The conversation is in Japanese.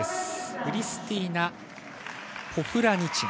フリスティーナ・ポフラニチナ。